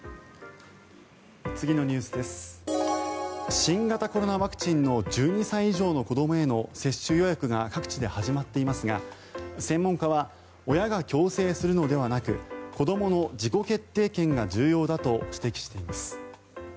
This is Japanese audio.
新型コロナワクチンの１２歳以上の子どもへの接種予約が各地で始まっていますが専門家は親が強制するのではなく子どもの自己決定権が重要だと指摘しています。